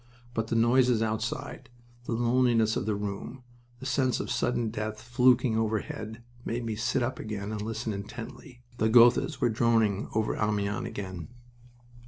But the noises outside, the loneliness of the room, the sense of sudden death fluking overhead, made me sit up again and listen intently. The Gothas were droning over Amiens again.